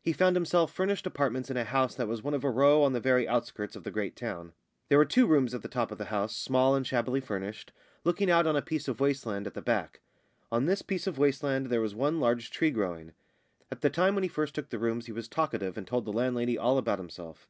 He found himself furnished apartments in a house that was one of a row on the very outskirts of the great town. They were two rooms at the top of the house, small and shabbily furnished, looking out on a piece of waste land at the back. On this piece of waste land there was one large tree growing. At the time when he first took the rooms he was talkative and told the landlady all about himself.